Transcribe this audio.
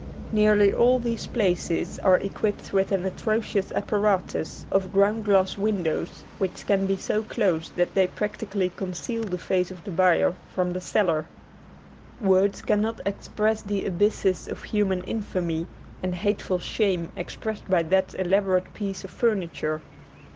Nearly all these places are equipped with an atrocious apparatus of ground glass windows which can be so closed that they practically conceal the face of the buyer from the seller. Words cannot express the abysses of human infamy and hateful shame expressed by that elaborate piece of furniture.